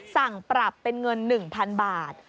สั่งปรับเป็นเงิน๑๐๐๐บาท